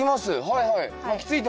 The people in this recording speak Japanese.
はいはい。